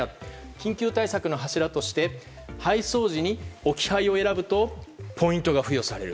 緊急対策の柱として配送時に置き配を選ぶとポイントが付与される。